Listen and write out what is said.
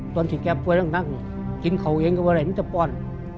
ตอนที่แกกลัวนั่งจิ้นเขาเองก็ว่าอะไรนี่จะป้อน